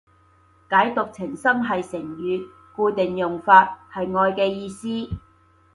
舐犢情深係成語，固定用法，係愛嘅意思